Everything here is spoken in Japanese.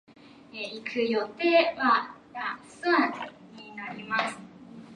ガラスは傷ついていて、ガラスの向こうは真っ暗で何もない